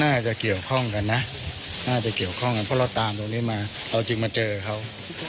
น่าจะเกี่ยวข้องกันนะน่าจะเกี่ยวข้องกันเพราะเราตามตรงนี้มาเอาจริงมาเจอเขา